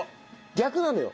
逆なのよ。